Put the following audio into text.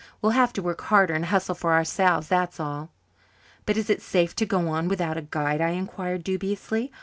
We'll have to work harder and hustle for ourselves, that's all." "But is it safe to go on without a guide?" I inquired dubiously.